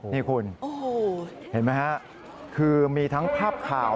นี่คุณเห็นไหมฮะคือมีทั้งภาพข่าว